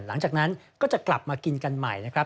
หลังจากนั้นก็จะกลับมากินกันใหม่นะครับ